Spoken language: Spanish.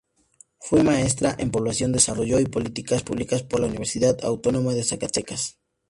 Fue maestra en Población, Desarrollo y Políticas Públicas por la Universidad Autónoma de Zacatecas.